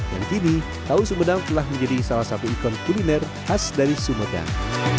dan kini tahu sumedang telah menjadi salah satu ikon kuliner khas dari sumedang